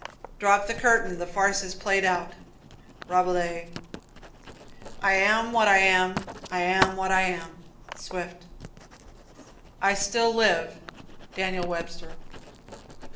"Drop the curtain, the farce is played out." Rabelais. "I am what I am. I am what I am." Swift. "I still live." Daniel Webster.